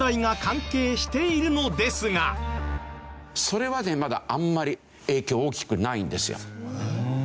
それはねまだあんまり影響大きくないんですよ。